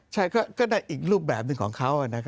ใช่ก็ได้อีกรูปแบบหนึ่งของเขา